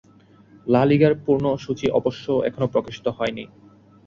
লা লিগার পূর্ণ সূচি অবশ্য এখনো প্রকাশিত হয়নি।